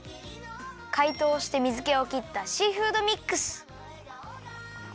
かいとうして水けを切ったシーフードミックス。